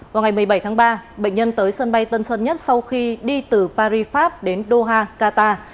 vào ngày một mươi bảy tháng ba bệnh nhân tới sân bay tân sơn nhất sau khi đi từ paris pháp đến doha qatar